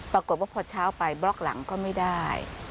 ปรากฏว่าพอเช้าไปบล็อกหลังก็ไม่ได้